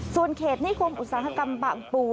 ส่วนเขตนิคมอุตสาหกรรมบางปู